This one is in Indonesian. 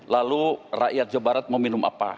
lalu rakyat jawa barat mau minum apa